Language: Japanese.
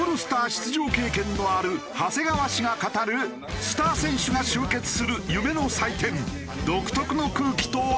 出場経験のある長谷川氏が語るスター選手が集結する夢の祭典独特の空気とは？